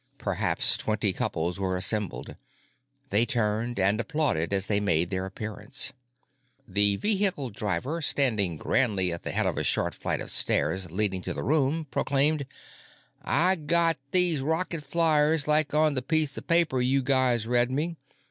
Perhaps twenty couples were assembled; they turned and applauded as they made their appearance. The vehicle driver, standing grandly at the head of a short flight of stairs leading to the room, proclaimed: "I got these rocket flyers like on the piece of paper you guys read me.